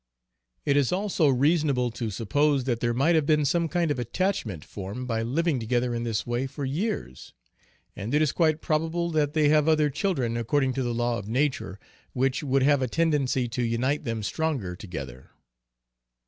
It is also reasonable to suppose that there might have been some kind of attachment formed by living together in this way for years; and it is quite probable that they have other children according to the law of nature, which would have a tendency to unite them stronger together.